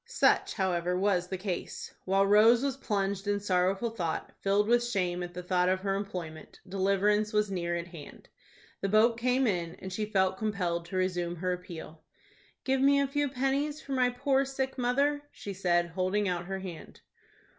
Such, however, was the case. While Rose was plunged in sorrowful thought, filled with shame at the thought of her employment, deliverance was near at hand. The boat came in, and she felt compelled to resume her appeal. "Give me a few pennies for my poor sick mother," she said, holding out her hand.